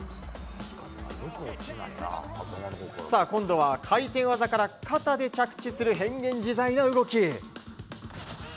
今度は回転技から肩で着地する変幻自在な動き。